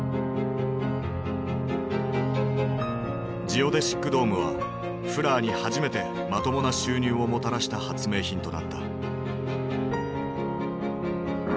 ジオデシックドームはフラーに初めてまともな収入をもたらした発明品となった。